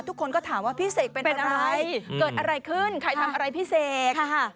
ทุกคนก็ถามว่าพี่เสกเป็นอะไรเกิดอะไรขึ้นใครทำอะไรพี่เสก